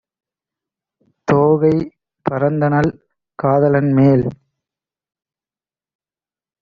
தோகை பறந்தனள் காதலன்மேல்!